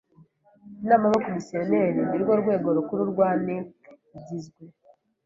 Inama y’Abakomiseri ni rwo rwego rukuru rwa NIC. Igizwe